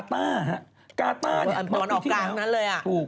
มันออกกลางนั้นเลย